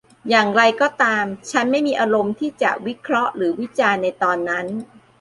อย่างไรก็ตาม ฉันไม่มีอารมณ์ที่จะวิเคราะห์หรือวิจารณ์ในตอนนั้น